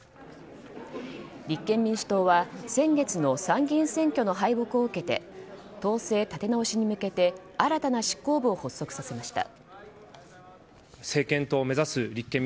立憲民主党は先月の参議院選挙の敗北を受けて党勢立て直しに向けて新たな執行部を発足させました。